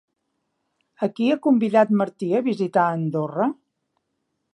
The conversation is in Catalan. A qui ha convidat Martí a visitar Andorra?